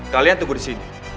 kalian tunggu disini